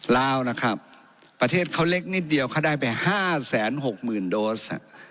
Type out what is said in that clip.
ลาวนะครับประเทศเขาเล็กนิดเดียวเขาได้ไป๕๖๐๐๐โดส